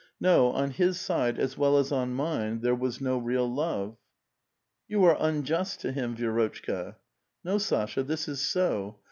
No, on his side, as well as on mine, there was no real love." "You are unjust to him, Vi^rotchka." " No, Sasha ; this is so.